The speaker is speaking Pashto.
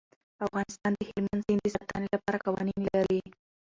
افغانستان د هلمند سیند د ساتنې لپاره قوانین لري.